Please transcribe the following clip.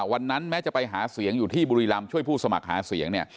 แม้จะไปหาเสียงอยู่ที่บุรีรำช่วยผู้สมัครหาเสียงเนี่ย